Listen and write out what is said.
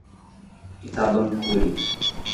Itambacuri